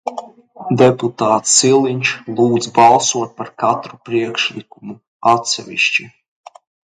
Deputāts Siliņš lūdz balsot par katru priekšlikumu atsevišķi.